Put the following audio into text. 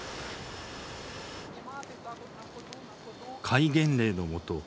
戒厳令のもと